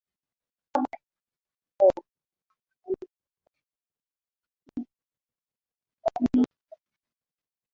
baba yake na ukoo Mama alimsomesha katika shule ya msingi ya misioni ya Kanisa